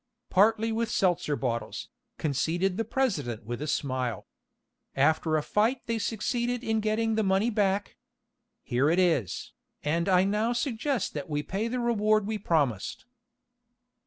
"Partly with seltzer bottles," conceded the president with a smile. "After a fight they succeeded in getting the money back. Here it is, and I now suggest that we pay the reward we promised."